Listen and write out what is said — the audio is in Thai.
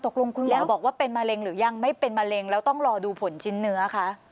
ตกลงคุณหมอบอกว่าเป็นมะเร็งหรือยังไม่เป็นมะเร็งแล้วต้องรอดูผลชิ้นเนื้อคะ